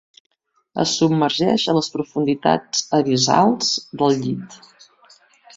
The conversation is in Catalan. Es submergeix a les profunditats abissals del llit.